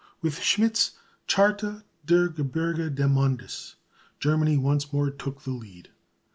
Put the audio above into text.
With Schmidt's Charte der Gebirge der Mondes, Germany once more took the lead.